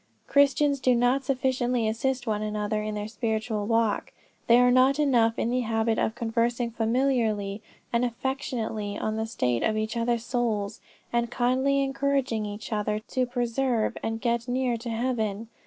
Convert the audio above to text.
"Christians do not sufficiently assist one another in their spiritual walk. They are not enough in the habit of conversing familiarly and affectionately on the state of each others' souls, and kindly encouraging each other to persevere and get near to heaven.